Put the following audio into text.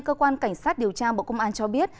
cơ quan cảnh sát điều tra bộ công an cho biết